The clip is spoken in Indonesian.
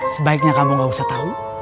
sebaiknya kamu gak usah tahu